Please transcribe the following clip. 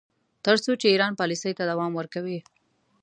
تر څو چې ایران پالیسۍ ته دوام ورکوي.